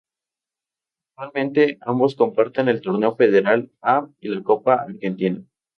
Actualmente ambos comparten el Torneo Federal A y la Copa Argentina.